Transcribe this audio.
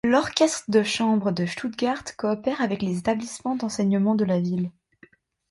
L'Orchestre de chambre de Stuttgart coopère avec les établissements d'enseignement de la ville.